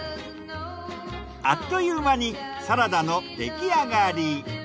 あっという間にサラダの出来上がり。